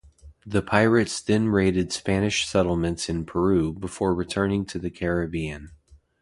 The pirates then raided Spanish settlements in Peru before returning to the Caribbean.